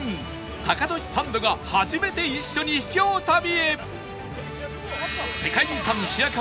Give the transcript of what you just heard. タカトシサンドが初めて一緒に秘境旅へ